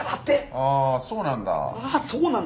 あーそうなんだ。